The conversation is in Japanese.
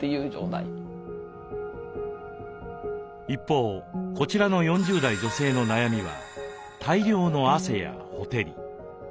一方こちらの４０代女性の悩みは大量の汗やほてり。